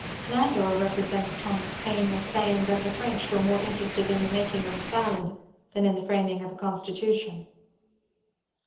Landor represents Thomas Paine as saying that the French were more interested in the making of a salad than in the framing of a constitution.